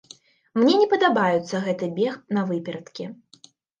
Мне не падабаюцца гэты бег навыперадкі.